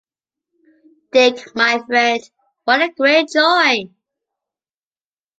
Dick, my friend, what a great joy!